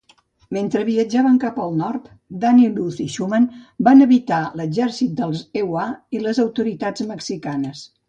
Mentre viatjaven cap al nord, Danny, Luz i Schumann van evitar l'exèrcit dels EUA i les autoritats mexicanes.